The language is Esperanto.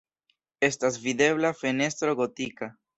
Estas videbla fenestro gotika.